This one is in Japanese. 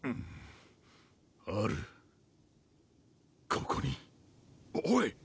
あるここにおい！